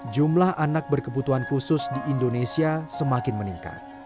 jumlah anak berkebutuhan khusus di indonesia semakin meningkat